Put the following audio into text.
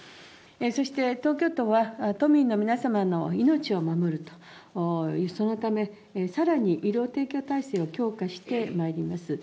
そして東京都は、都民の皆様の命を守ると、そのため、さらに医療提供体制を強化してまいります。